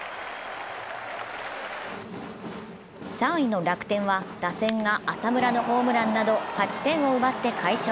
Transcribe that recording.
３位の楽天は打線が浅村のホームランなど８点を奪って快勝。